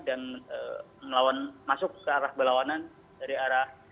dan masuk ke arah belawanan dari arah